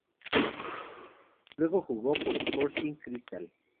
Luego jugó por Sporting Cristal.